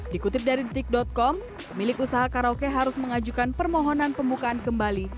dikutip dari detik com pemilik usaha karaoke harus mengajukan permohonan pembukaan kembali